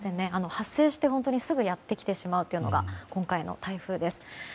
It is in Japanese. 発生して本当にすぐやってきてしまうのが今回の台風です。